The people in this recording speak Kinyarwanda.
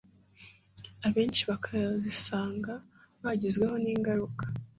abenshi bakazisanga bagizweho n’ingaruka